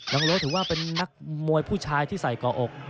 โรสถือว่าเป็นนักมวยผู้ชายที่ใส่ก่ออก